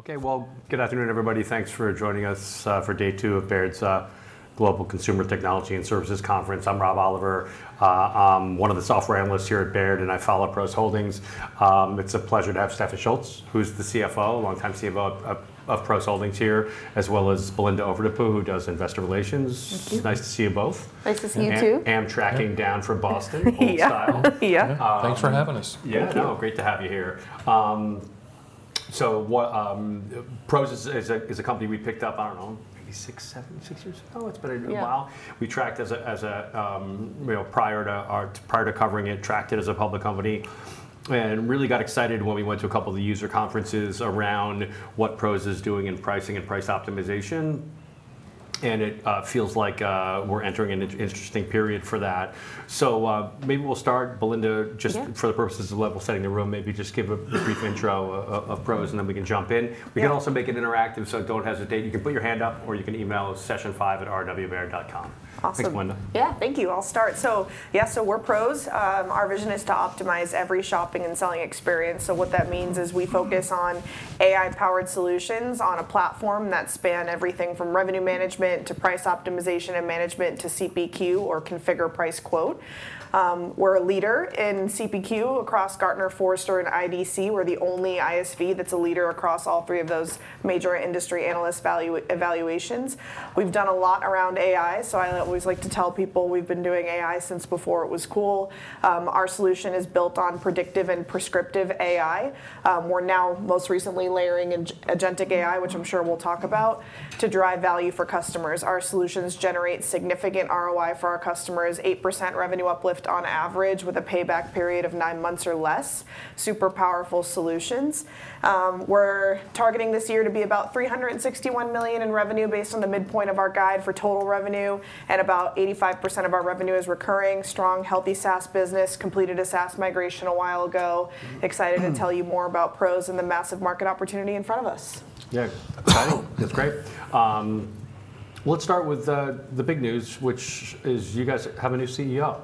Okay, good afternoon, everybody. Thanks for joining us for day two of Baird's Global Consumer Technology and Services Conference. I'm Rob Oliver, one of the software analysts here at Baird, and I follow PROS Holdings. It's a pleasure to have Stefan Schulz, who's the CFO, longtime CFO of PROS Holdings here, as well as Belinda Overdeput, who does investor relations. Thank you. It's nice to see you both. Nice to see you too. Amtraking down from Boston, old style. Yeah. Thanks for having us. Yeah, great to have you here. So PROS is a company we picked up, I do not know, maybe six, seven, six years ago. It has been a while. We tracked it as a, prior to covering it, tracked it as a public company. And really got excited when we went to a couple of the user conferences around what PROS is doing in pricing and price optimization. It feels like we are entering an interesting period for that. Maybe we will start, Belinda, just for the purposes of level setting the room, maybe just give a brief intro of PROS, and then we can jump in. We can also make it interactive, so do not hesitate. You can put your hand up, or you can email session5@rwbair.com. Awesome. Yeah, thank you. I'll start. Yeah, we're PROS. Our vision is to optimize every shopping and selling experience. What that means is we focus on AI-powered solutions on a platform that span everything from revenue management to price optimization and management to CPQ, or Configure, Price, Quote. We're a leader in CPQ across Gartner, Forrester, and IDC. We're the only ISV that's a leader across all three of those major industry analyst evaluations. We've done a lot around AI, so I always like to tell people we've been doing AI since before it was cool. Our solution is built on predictive and prescriptive AI. We're now most recently layering agentic AI, which I'm sure we'll talk about, to drive value for customers. Our solutions generate significant ROI for our customers, 8% revenue uplift on average, with a payback period of nine months or less. Super powerful solutions. We're targeting this year to be about $361 million in revenue based on the midpoint of our guide for total revenue, and about 85% of our revenue is recurring, strong, healthy SaaS business, completed a SaaS migration a while ago. Excited to tell you more about PROS and the massive market opportunity in front of us. Yeah, exciting. That's great. Let's start with the big news, which is you guys have a new CEO,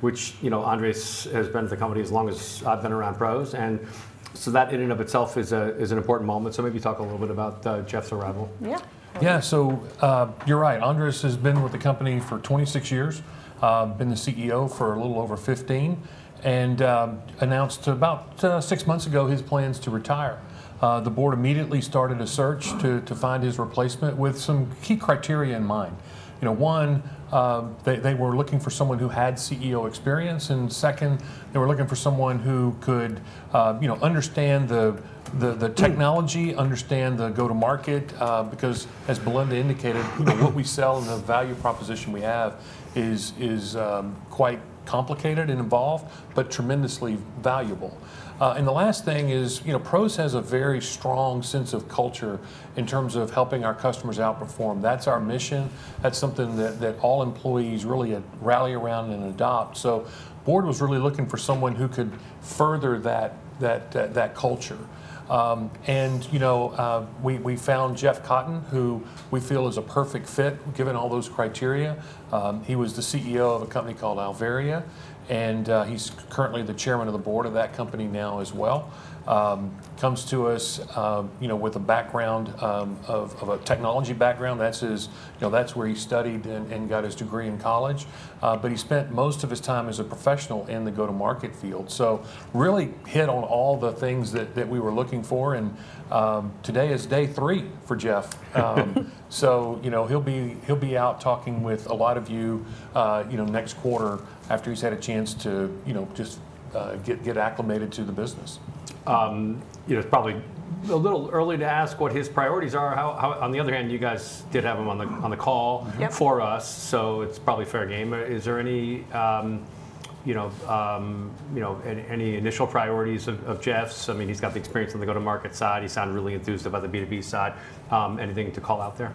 which Andres has been at the company as long as I've been around PROS. That in and of itself is an important moment. Maybe talk a little bit about Jeff's arrival. Yeah. Yeah, so you're right. Andres has been with the company for 26 years, been the CEO for a little over 15, and announced about six months ago his plans to retire. The board immediately started a search to find his replacement with some key criteria in mind. One, they were looking for someone who had CEO experience. Second, they were looking for someone who could understand the technology, understand the go-to-market, because as Belinda indicated, what we sell and the value proposition we have is quite complicated and involved, but tremendously valuable. The last thing is PROS has a very strong sense of culture in terms of helping our customers outperform. That's our mission. That's something that all employees really rally around and adopt. The board was really looking for someone who could further that culture. We found Jeff Cotten, who we feel is a perfect fit given all those criteria. He was the CEO of a company called Alvaria, and he's currently the chairman of the board of that company now as well. He comes to us with a technology background. That's where he studied and got his degree in college. He spent most of his time as a professional in the go-to-market field. He really hit on all the things that we were looking for. Today is day three for Jeff. He'll be out talking with a lot of you next quarter after he's had a chance to just get acclimated to the business. It's probably a little early to ask what his priorities are. On the other hand, you guys did have him on the call for us, so it's probably fair game. Is there any initial priorities of Jeff's? I mean, he's got the experience on the go-to-market side. He sounded really enthused about the B2B side. Anything to call out there?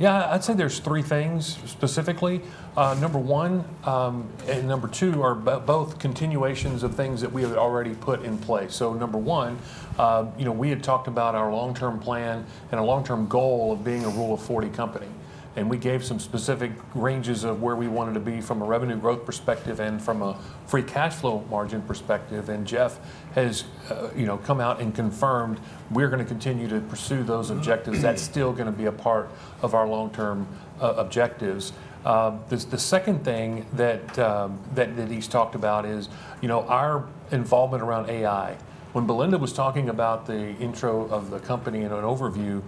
Yeah, I'd say there's three things specifically. Number one, and number two are both continuations of things that we had already put in place. Number one, we had talked about our long-term plan and our long-term goal of being a rule of 40 company. We gave some specific ranges of where we wanted to be from a revenue growth perspective and from a Free Cash Flow margin perspective. Jeff has come out and confirmed we're going to continue to pursue those objectives. That's still going to be a part of our long-term objectives. The second thing that he's talked about is our involvement around AI. When Belinda was talking about the intro of the company and an overview,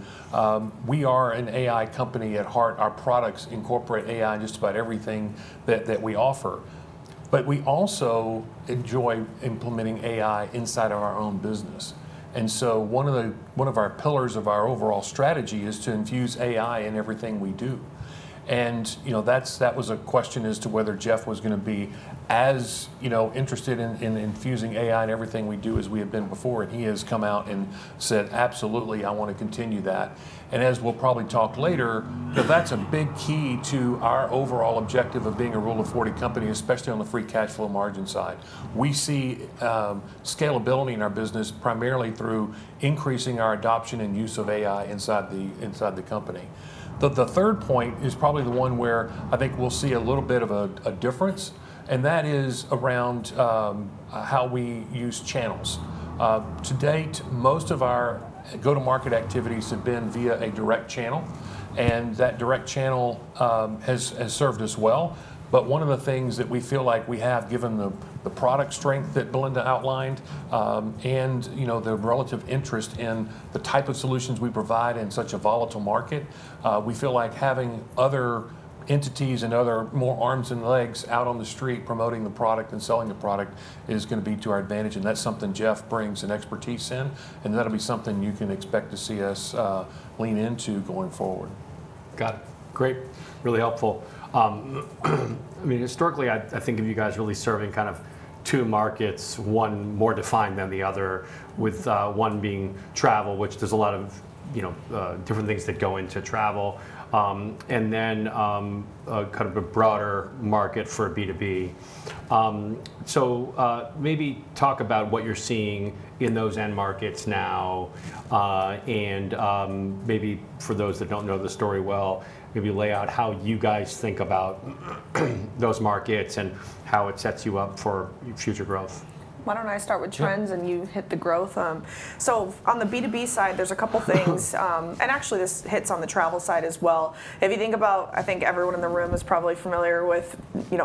we are an AI company at heart. Our products incorporate AI in just about everything that we offer. We also enjoy implementing AI inside of our own business. One of our pillars of our overall strategy is to infuse AI in everything we do. That was a question as to whether Jeff was going to be as interested in infusing AI in everything we do as we have been before. He has come out and said, "Absolutely, I want to continue that." As we'll probably talk later, that's a big key to our overall objective of being a rule of 40 company, especially on the Free Cash Flow margin side. We see scalability in our business primarily through increasing our adoption and use of AI inside the company. The third point is probably the one where I think we'll see a little bit of a difference, and that is around how we use channels. To date, most of our go-to-market activities have been via a direct channel, and that direct channel has served us well. One of the things that we feel like we have, given the product strength that Belinda outlined and the relative interest in the type of solutions we provide in such a volatile market, we feel like having other entities and other more arms and legs out on the street promoting the product and selling the product is going to be to our advantage. That is something Jeff brings an expertise in, and that'll be something you can expect to see us lean into going forward. Got it. Great. Really helpful. I mean, historically, I think of you guys really serving kind of two markets, one more defined than the other, with one being travel, which there's a lot of different things that go into travel, and then kind of a broader market for B2B. Maybe talk about what you're seeing in those end markets now, and maybe for those that do not know the story well, maybe lay out how you guys think about those markets and how it sets you up for future growth. Why do not I start with trends and you hit the growth? On the B2B side, there is a couple of things. Actually, this hits on the travel side as well. If you think about, I think everyone in the room is probably familiar with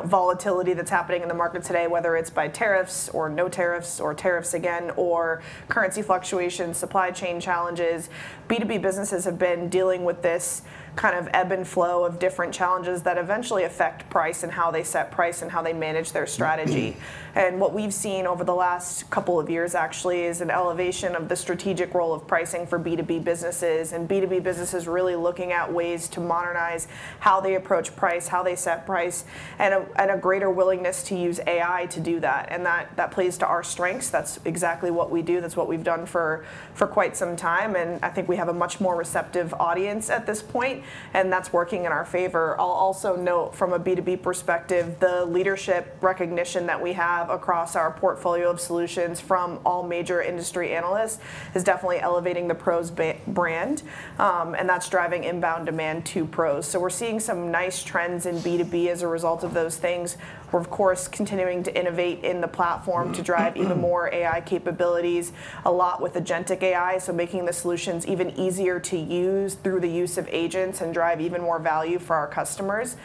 volatility that is happening in the market today, whether it is by tariffs or no tariffs or tariffs again or currency fluctuations, supply chain challenges. B2B businesses have been dealing with this kind of ebb and flow of different challenges that eventually affect price and how they set price and how they manage their strategy. What we have seen over the last couple of years, actually, is an elevation of the strategic role of pricing for B2B businesses and B2B businesses really looking at ways to modernize how they approach price, how they set price, and a greater willingness to use AI to do that. That plays to our strengths. That's exactly what we do. That's what we've done for quite some time. I think we have a much more receptive audience at this point, and that's working in our favor. I'll also note from a B2B perspective, the leadership recognition that we have across our portfolio of solutions from all major industry analysts is definitely elevating the PROS brand, and that's driving inbound demand to PROS. We're seeing some nice trends in B2B as a result of those things. We're, of course, continuing to innovate in the platform to drive even more AI capabilities, a lot with agentic AI, making the solutions even easier to use through the use of agents and driving even more value for our customers.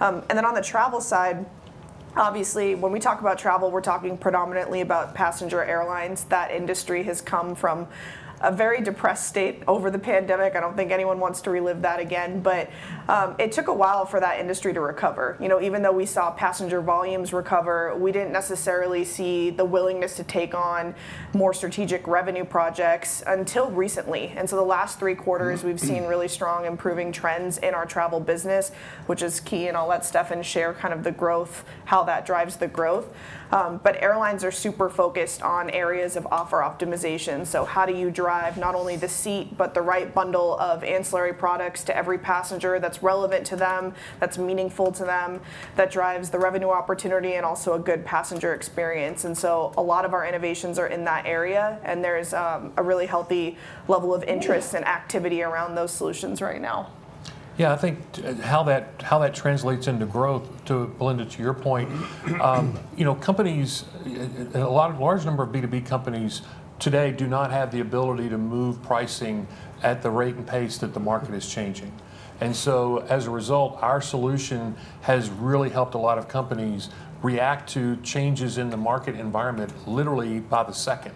On the travel side, obviously, when we talk about travel, we're talking predominantly about passenger airlines. That industry has come from a very depressed state over the pandemic. I do not think anyone wants to relive that again. It took a while for that industry to recover. Even though we saw passenger volumes recover, we did not necessarily see the willingness to take on more strategic revenue projects until recently. The last three quarters, we have seen really strong improving trends in our travel business, which is key in all that stuff and share kind of the growth, how that drives the growth. Airlines are super focused on areas of offer optimization. How do you drive not only the seat, but the right bundle of ancillary products to every passenger that is relevant to them, that is meaningful to them, that drives the revenue opportunity and also a good passenger experience? A lot of our innovations are in that area, and there's a really healthy level of interest and activity around those solutions right now. Yeah, I think how that translates into growth, Belinda, to your point, a large number of B2B companies today do not have the ability to move pricing at the rate and pace that the market is changing. As a result, our solution has really helped a lot of companies react to changes in the market environment literally by the second.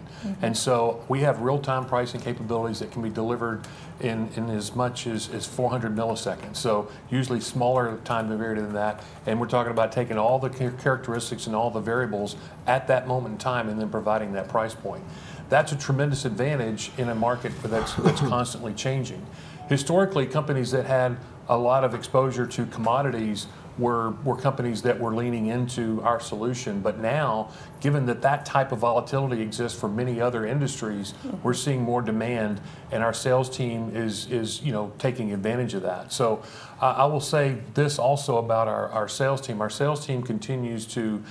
We have real-time pricing capabilities that can be delivered in as much as 400 milliseconds, so usually smaller time than that. We are talking about taking all the characteristics and all the variables at that moment in time and then providing that price point. That is a tremendous advantage in a market that is constantly changing. Historically, companies that had a lot of exposure to commodities were companies that were leaning into our solution. Now, given that that type of volatility exists for many other industries, we're seeing more demand, and our sales team is taking advantage of that. I will say this also about our sales team. Our sales team continues to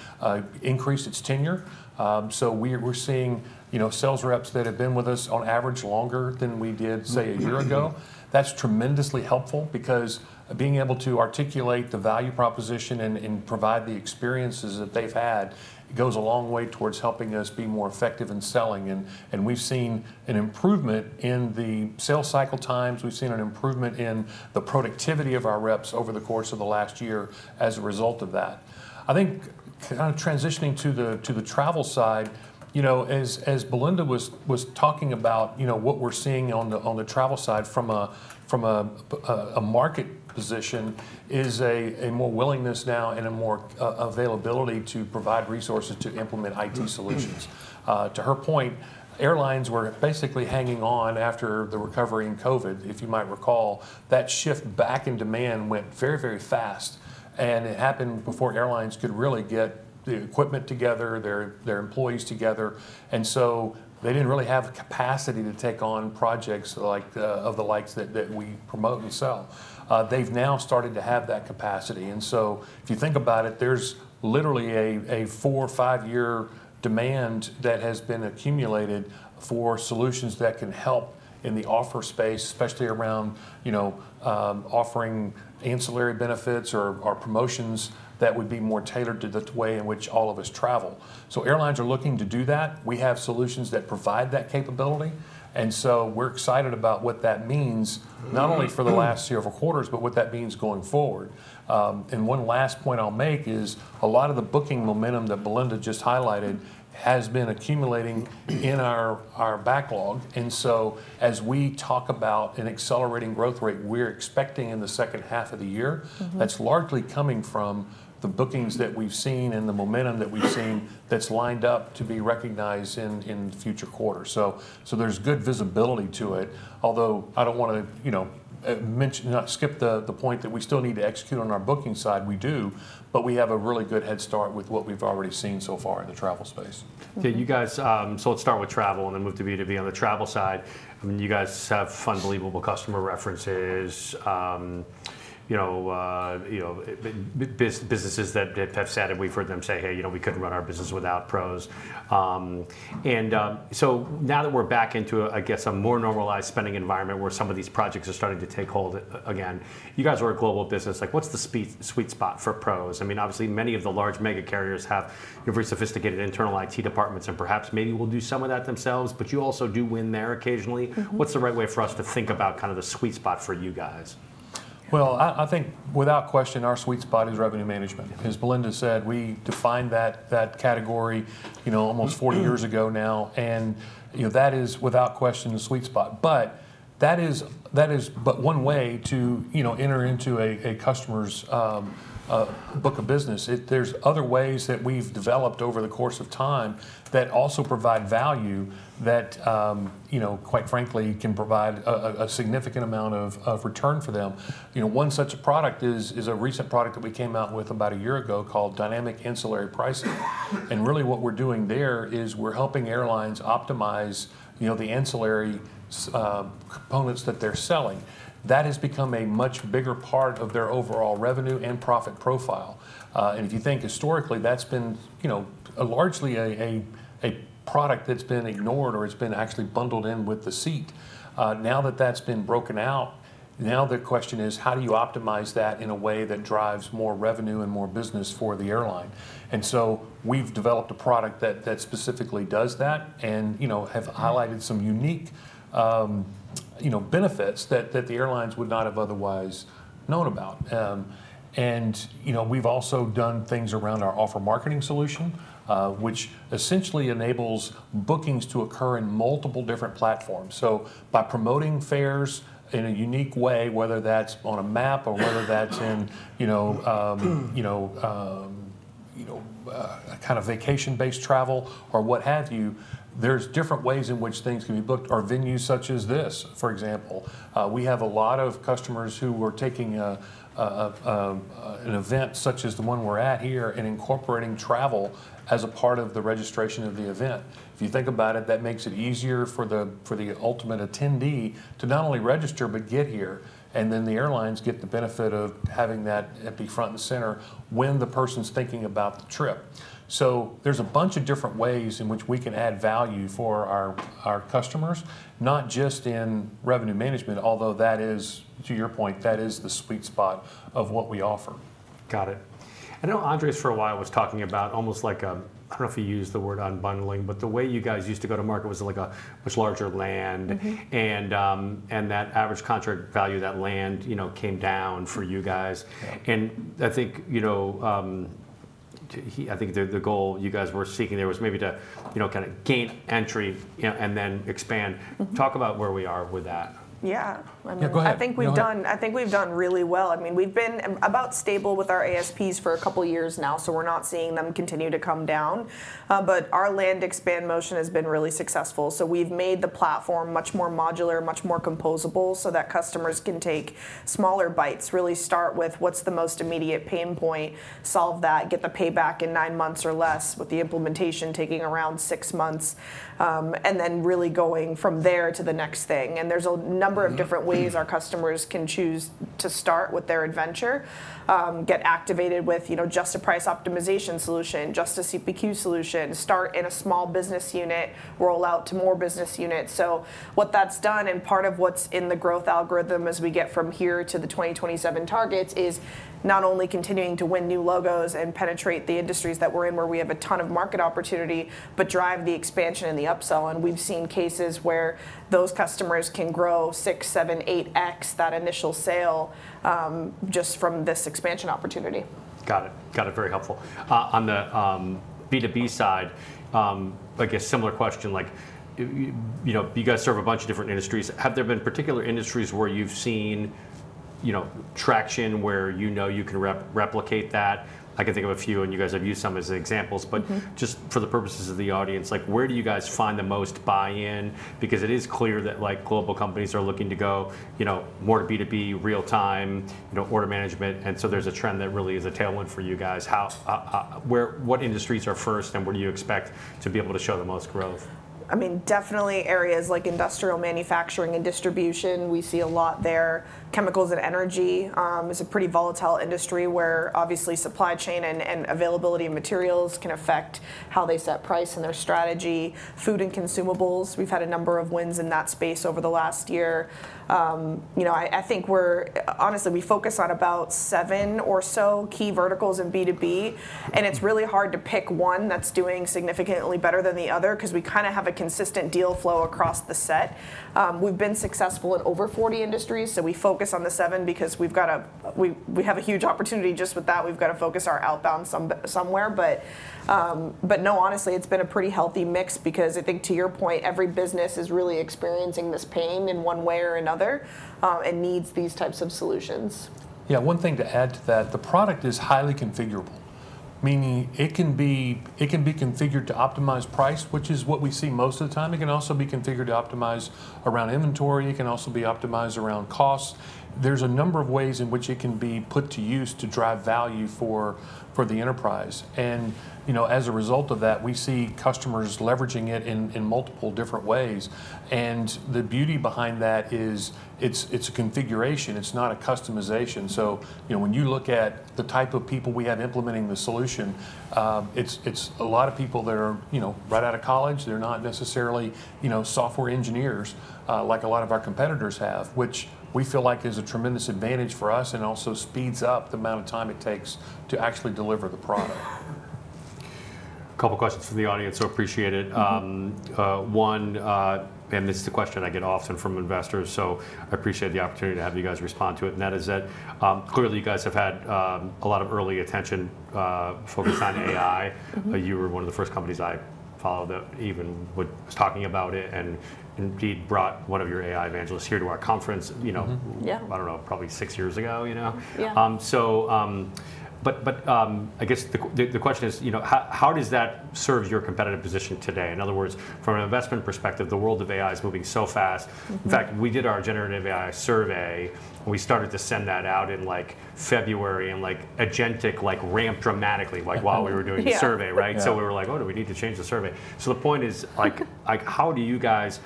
increase its tenure. We're seeing sales reps that have been with us on average longer than we did, say, a year ago. That's tremendously helpful because being able to articulate the value proposition and provide the experiences that they've had goes a long way towards helping us be more effective in selling. We've seen an improvement in the sales cycle times. We've seen an improvement in the productivity of our reps over the course of the last year as a result of that. I think kind of transitioning to the travel side, as Belinda was talking about, what we're seeing on the travel side from a market position is a more willingness now and a more availability to provide resources to implement IT solutions. To her point, airlines were basically hanging on after the recovery in COVID, if you might recall. That shift back in demand went very, very fast. It happened before airlines could really get the equipment together, their employees together. They did not really have capacity to take on projects of the likes that we promote and sell. They've now started to have that capacity. If you think about it, there's literally a four- or five-year demand that has been accumulated for solutions that can help in the offer space, especially around offering ancillary benefits or promotions that would be more tailored to the way in which all of us travel. Airlines are looking to do that. We have solutions that provide that capability. We're excited about what that means, not only for the last several quarters, but what that means going forward. One last point I'll make is a lot of the booking momentum that Belinda just highlighted has been accumulating in our backlog. As we talk about an accelerating growth rate we're expecting in the second half of the year, that's largely coming from the bookings that we've seen and the momentum that we've seen that's lined up to be recognized in future quarters. There is good visibility to it, although I do not want to skip the point that we still need to execute on our booking side. We do, but we have a really good head start with what we have already seen so far in the travel space. Okay. Let's start with travel and then move to B2B. On the travel side, I mean, you guys have unbelievable customer references, businesses that have said, and we've heard them say, "Hey, we couldn't run our business without PROS." Now that we're back into, I guess, a more normalized spending environment where some of these projects are starting to take hold again, you guys are a global business. What's the sweet spot for PROS? I mean, obviously, many of the large mega carriers have very sophisticated internal IT departments, and perhaps maybe will do some of that themselves, but you also do win there occasionally. What's the right way for us to think about kind of the sweet spot for you guys? I think without question, our sweet spot is revenue management. As Belinda said, we defined that category almost 40 years ago now. That is, without question, the sweet spot. That is one way to enter into a customer's book of business. There are other ways that we have developed over the course of time that also provide value that, quite frankly, can provide a significant amount of return for them. One such product is a recent product that we came out with about a year ago called Dynamic Ancillary Pricing. Really what we are doing there is we are helping airlines optimize the ancillary components that they are selling. That has become a much bigger part of their overall revenue and profit profile. If you think historically, that has been largely a product that has been ignored or it has been actually bundled in with the seat. Now that that's been broken out, the question is, how do you optimize that in a way that drives more revenue and more business for the airline? We have developed a product that specifically does that and have highlighted some unique benefits that the airlines would not have otherwise known about. We have also done things around our Offer Marketing solution, which essentially enables bookings to occur in multiple different platforms. By promoting fares in a unique way, whether that's on a map or whether that's in kind of vacation-based travel or what have you, there are different ways in which things can be booked or venues such as this, for example. We have a lot of customers who were taking an event such as the one we're at here and incorporating travel as a part of the registration of the event. If you think about it, that makes it easier for the ultimate attendee to not only register, but get here. The airlines get the benefit of having that be front and center when the person's thinking about the trip. There are a bunch of different ways in which we can add value for our customers, not just in revenue management, although that is, to your point, that is the sweet spot of what we offer. Got it. I know Andres for a while was talking about almost like, I don't know if he used the word unbundling, but the way you guys used to go to market was like a much larger land, and that average contract value of that land came down for you guys. I think the goal you guys were seeking there was maybe to kind of gain entry and then expand. Talk about where we are with that. Yeah. Yeah, go ahead. I think we've done really well. I mean, we've been about stable with our ASPs for a couple of years now, so we're not seeing them continue to come down. Our land expand motion has been really successful. We've made the platform much more modular, much more composable so that customers can take smaller bites, really start with what's the most immediate pain point, solve that, get the payback in nine months or less, with the implementation taking around six months, and then really going from there to the next thing. There's a number of different ways our customers can choose to start with their adventure, get activated with just a price optimization solution, just a CPQ solution, start in a small business unit, roll out to more business units. What that has done, and part of what is in the growth algorithm as we get from here to the 2027 targets, is not only continuing to win new logos and penetrate the industries that we are in where we have a ton of market opportunity, but drive the expansion and the upsell. We have seen cases where those customers can grow six, seven, eight x that initial sale just from this expansion opportunity. Got it. Got it. Very helpful. On the B2B side, I guess similar question, you guys serve a bunch of different industries. Have there been particular industries where you've seen traction where you know you can replicate that? I can think of a few, and you guys have used some as examples, but just for the purposes of the audience, where do you guys find the most buy-in? Because it is clear that global companies are looking to go more to B2B, real-time, order management. There is a trend that really is a tailwind for you guys. What industries are first, and where do you expect to be able to show the most growth? I mean, definitely areas like industrial manufacturing and distribution. We see a lot there. Chemicals and energy is a pretty volatile industry where obviously supply chain and availability of materials can affect how they set price and their strategy. Food and consumables, we've had a number of wins in that space over the last year. I think we're honestly, we focus on about seven or so key verticals in B2B, and it's really hard to pick one that's doing significantly better than the other because we kind of have a consistent deal flow across the set. We've been successful at over 40 industries, so we focus on the seven because we have a huge opportunity just with that. We've got to focus our outbound somewhere. No, honestly, it's been a pretty healthy mix because I think to your point, every business is really experiencing this pain in one way or another and needs these types of solutions. Yeah. One thing to add to that, the product is highly configurable, meaning it can be configured to optimize price, which is what we see most of the time. It can also be configured to optimize around inventory. It can also be optimized around cost. There are a number of ways in which it can be put to use to drive value for the enterprise. As a result of that, we see customers leveraging it in multiple different ways. The beauty behind that is it's a configuration. It's not a customization. When you look at the type of people we have implementing the solution, it's a lot of people that are right out of college. They're not necessarily software engineers like a lot of our competitors have, which we feel like is a tremendous advantage for us and also speeds up the amount of time it takes to actually deliver the product. A couple of questions from the audience. I appreciate it. One, and this is the question I get often from investors, so I appreciate the opportunity to have you guys respond to it. That is that clearly you guys have had a lot of early attention focused on AI. You were one of the first companies I followed that even was talking about it and indeed brought one of your AI evangelists here to our conference, I do not know, probably six years ago. I guess the question is, how does that serve your competitive position today? In other words, from an investment perspective, the world of AI is moving so fast. In fact, we did our generative AI survey, and we started to send that out in February and agentic ramped dramatically while we were doing the survey, right? We were like, "Oh, do we need to change the survey?" The point is, how do you guys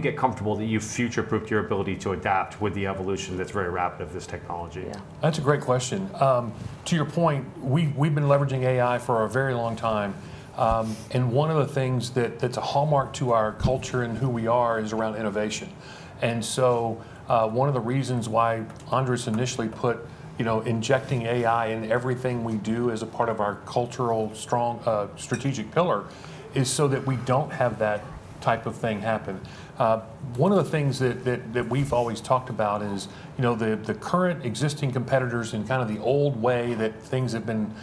get comfortable that you've future-proofed your ability to adapt with the evolution that's very rapid of this technology? Yeah. That's a great question. To your point, we've been leveraging AI for a very long time. One of the things that's a hallmark to our culture and who we are is around innovation. One of the reasons why Andres initially put injecting AI in everything we do as a part of our cultural strategic pillar is so that we don't have that type of thing happen. One of the things that we've always talked about is the current existing competitors and kind of the old way that things have been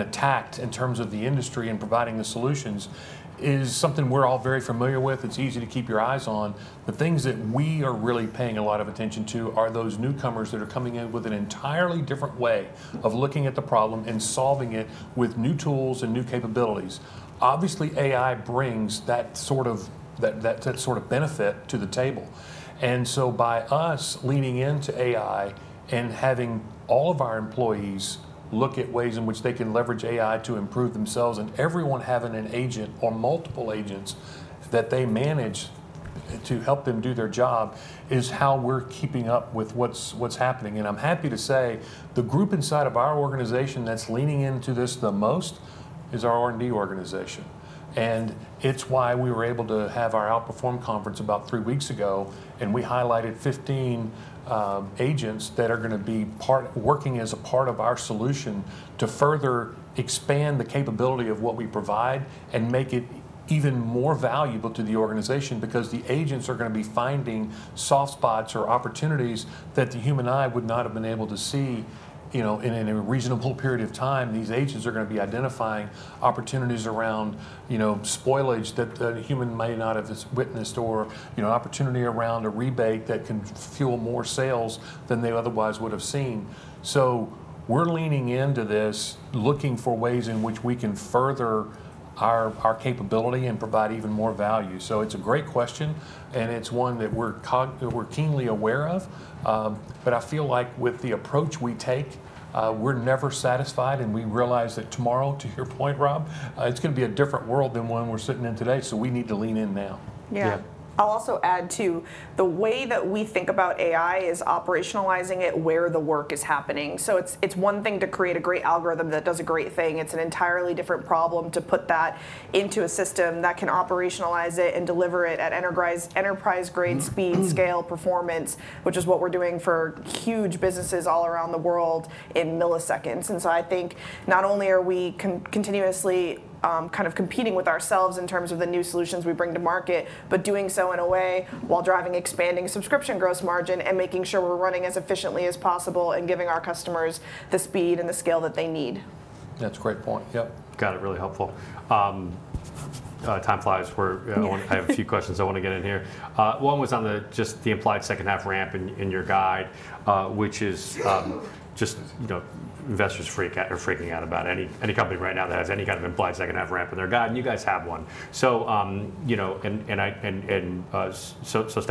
attacked in terms of the industry and providing the solutions is something we're all very familiar with. It's easy to keep your eyes on. The things that we are really paying a lot of attention to are those newcomers that are coming in with an entirely different way of looking at the problem and solving it with new tools and new capabilities. Obviously, AI brings that sort of benefit to the table. By us leaning into AI and having all of our employees look at ways in which they can leverage AI to improve themselves and everyone having an agent or multiple agents that they manage to help them do their job is how we're keeping up with what's happening. I'm happy to say the group inside of our organization that's leaning into this the most is our R&D organization. It is why we were able to have our Outperform conference about three weeks ago, and we highlighted 15 agents that are going to be working as a part of our solution to further expand the capability of what we provide and make it even more valuable to the organization because the agents are going to be finding soft spots or opportunities that the human eye would not have been able to see in a reasonable period of time. These agents are going to be identifying opportunities around spoilage that the human might not have witnessed or opportunity around a rebate that can fuel more sales than they otherwise would have seen. We are leaning into this, looking for ways in which we can further our capability and provide even more value. It is a great question, and it is one that we are keenly aware of. I feel like with the approach we take, we're never satisfied, and we realize that tomorrow, to your point, Rob, it's going to be a different world than one we're sitting in today. We need to lean in now. Yeah. I'll also add to the way that we think about AI is operationalizing it where the work is happening. It is one thing to create a great algorithm that does a great thing. It is an entirely different problem to put that into a system that can operationalize it and deliver it at enterprise-grade speed, scale, performance, which is what we are doing for huge businesses all around the world in milliseconds. I think not only are we continuously kind of competing with ourselves in terms of the new solutions we bring to market, but doing so in a way while driving expanding subscription gross margin and making sure we are running as efficiently as possible and giving our customers the speed and the scale that they need. That's a great point. Yep. Got it. Really helpful. Time flies. I have a few questions I want to get in here. One was on just the implied second half ramp in your guide, which is just investors are freaking out about any company right now that has any kind of implied second half ramp in their guide, and you guys have one. Stefan,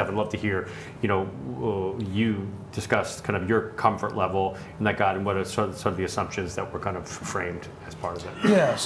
I'd love to hear you discuss kind of your comfort level in that guide and what are sort of the assumptions that were kind of framed as part of it.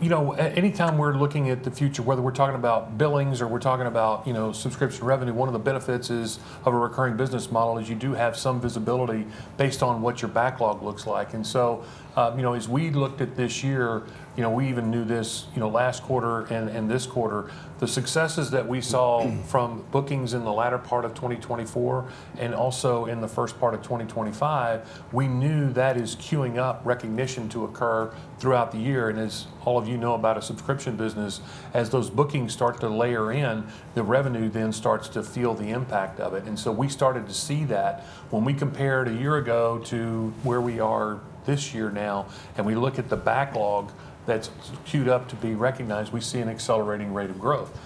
Yeah. Anytime we're looking at the future, whether we're talking about billings or we're talking about subscription revenue, one of the benefits of a recurring business model is you do have some visibility based on what your backlog looks like. As we looked at this year, we even knew this last quarter and this quarter, the successes that we saw from bookings in the latter part of 2024 and also in the first part of 2025, we knew that is queuing up recognition to occur throughout the year. As all of you know about a subscription business, as those bookings start to layer in, the revenue then starts to feel the impact of it. We started to see that when we compared a year ago to where we are this year now, and we look at the backlog that's queued up to be recognized, we see an accelerating rate of growth.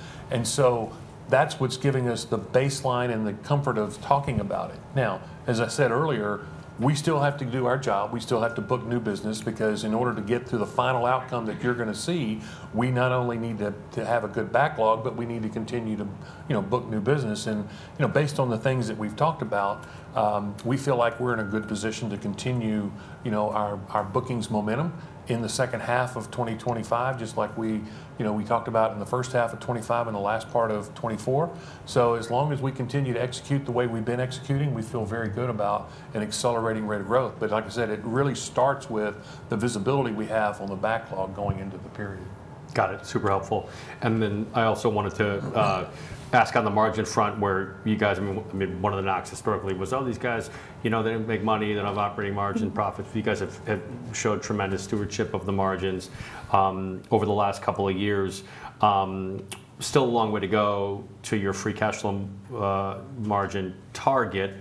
That's what's giving us the baseline and the comfort of talking about it. As I said earlier, we still have to do our job. We still have to book new business because in order to get to the final outcome that you're going to see, we not only need to have a good backlog, but we need to continue to book new business. Based on the things that we've talked about, we feel like we're in a good position to continue our bookings momentum in the second half of 2025, just like we talked about in the first half of 2025 and the last part of 2024. As long as we continue to execute the way we've been executing, we feel very good about an accelerating rate of growth. Like I said, it really starts with the visibility we have on the backlog going into the period. Got it. Super helpful. I also wanted to ask on the margin front where you guys have been, one of the knocks historically was, "Oh, these guys, they didn't make money. They don't have operating margin profits." You guys have showed tremendous stewardship of the margins over the last couple of years. Still a long way to go to your Free Cash Flow margin target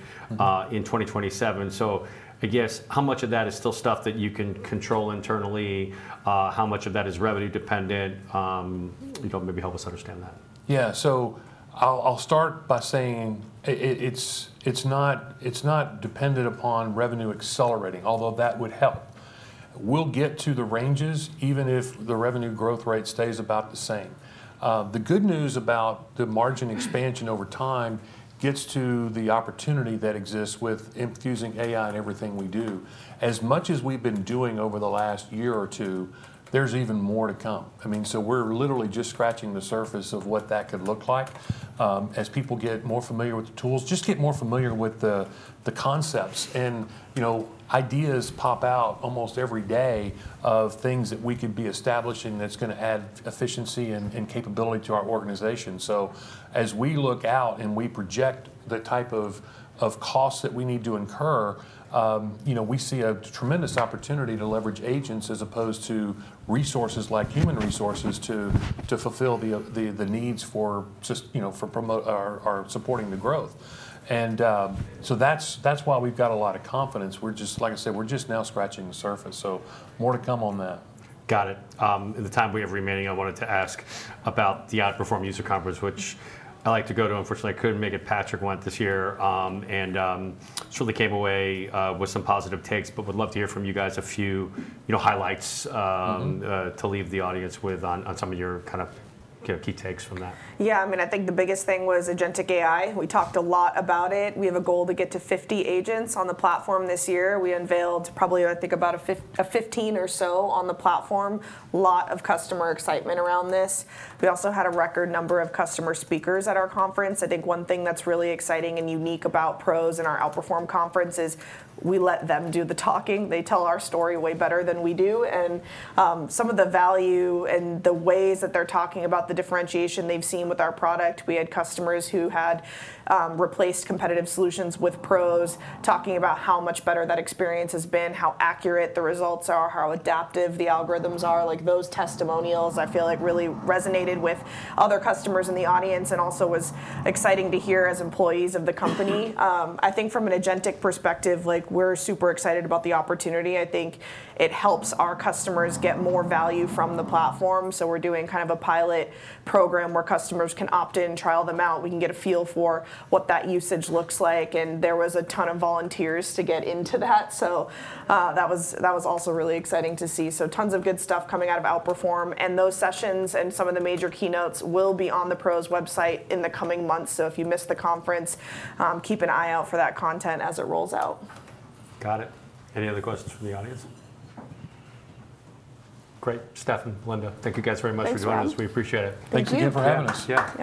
in 2027. I guess how much of that is still stuff that you can control internally? How much of that is revenue dependent? Maybe help us understand that. Yeah. I'll start by saying it's not dependent upon revenue accelerating, although that would help. We'll get to the ranges even if the revenue growth rate stays about the same. The good news about the margin expansion over time gets to the opportunity that exists with infusing AI in everything we do. As much as we've been doing over the last year or two, there's even more to come. I mean, we're literally just scratching the surface of what that could look like as people get more familiar with the tools, just get more familiar with the concepts. Ideas pop out almost every day of things that we could be establishing that's going to add efficiency and capability to our organization. As we look out and we project the type of costs that we need to incur, we see a tremendous opportunity to leverage agents as opposed to resources like human resources to fulfill the needs for supporting the growth. That is why we've got a lot of confidence. Like I said, we're just now scratching the surface. More to come on that. Got it. In the time we have remaining, I wanted to ask about the Outperform user conference, which I like to go to. Unfortunately, I could not make it. Patrick went this year and certainly came away with some positive takes, but would love to hear from you guys a few highlights to leave the audience with on some of your kind of key takes from that. Yeah. I mean, I think the biggest thing was agentic AI. We talked a lot about it. We have a goal to get to 50 agents on the platform this year. We unveiled probably, I think, about 15 or so on the platform. A lot of customer excitement around this. We also had a record number of customer speakers at our conference. I think one thing that's really exciting and unique about PROS in our Outperform conference is we let them do the talking. They tell our story way better than we do. Some of the value and the ways that they're talking about the differentiation they've seen with our product. We had customers who had replaced competitive solutions with PROS talking about how much better that experience has been, how accurate the results are, how adaptive the algorithms are. Those testimonials, I feel like really resonated with other customers in the audience and also was exciting to hear as employees of the company. I think from an agentic perspective, we're super excited about the opportunity. I think it helps our customers get more value from the platform. We're doing kind of a pilot program where customers can opt in, trial them out. We can get a feel for what that usage looks like. There was a ton of volunteers to get into that. That was also really exciting to see. Tons of good stuff coming out of Outperform. Those sessions and some of the major keynotes will be on the PROS website in the coming months. If you missed the conference, keep an eye out for that content as it rolls out. Got it. Any other questions from the audience? Great. Stefan, Belinda, thank you guys very much for joining us. We appreciate it. Thank you again for having us. Yeah.